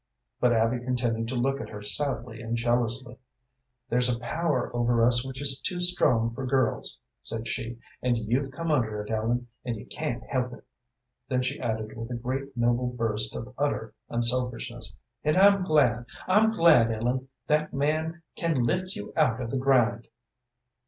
But Abby continued to look at her sadly and jealously. "There's a power over us which is too strong for girls," said she, "and you've come under it, Ellen, and you can't help it." Then she added, with a great, noble burst of utter unselfishness: "And I'm glad, I'm glad, Ellen. That man can lift you out of the grind."